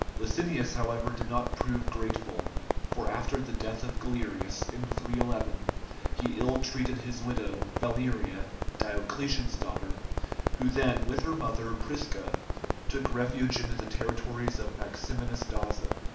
Licinius, however, did not prove grateful, for after the death of Galerius, in 311, he ill treated his widow, Valeria, Diocletian's daughter, who then, with her mother, Prisca, took refuge in the territories of Maximinus Daza.